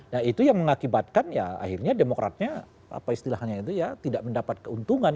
nah itu yang mengakibatkan ya akhirnya demokratnya apa istilahnya itu ya tidak mendapat keuntungan